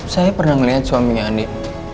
saya pernah melihat suaminya adik